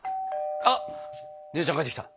あっ姉ちゃん帰ってきた。